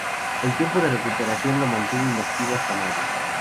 El tiempo de recuperación lo mantuvo inactivo hasta mayo.